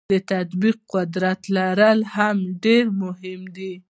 د تطبیق قدرت لرل هم ډیر مهم دي.